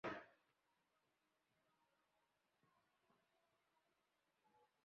এটা খুবই সহানুভূতিশীল।